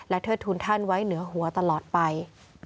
เทิดทุนท่านไว้เหนือหัวตลอดไป